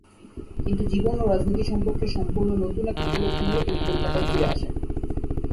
কিন্তু জীবন ও রাজনীতি সম্পর্কে সম্পূর্ণ নতুন এক উপলব্ধি নিয়ে তিনি কলকাতায় ফিরে আসেন।